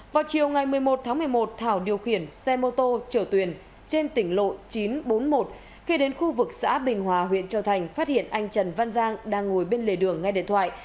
vào chiều ngày một mươi một tháng một mươi một thảo điều khiển xe mô tô trở tuyền trên tỉnh lộ chín trăm bốn mươi một khi đến khu vực xã bình hòa huyện châu thành phát hiện anh trần văn giang đang ngồi bên lề đường ngay điện thoại